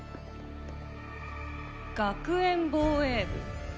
学園防衛部。